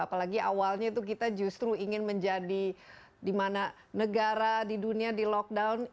apalagi awalnya itu kita justru ingin menjadi di mana negara di dunia di lockdown